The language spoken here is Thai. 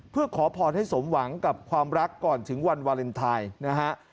เพื่อขอพรให้สมหวังกับความรักก่อนถึงวันวาเลนไทยนะฮะ